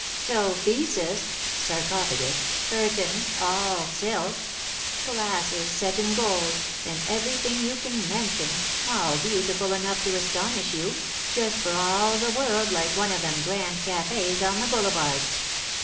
Sophesus (sarcophagus) curtains, all silk; glasses set in gold, and everything you can mention, all beautiful enough to astonish you; just, for all the world, like one of them grand cafes on the Boulevards!